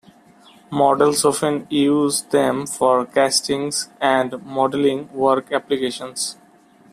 Models often use them for castings and modeling work applications.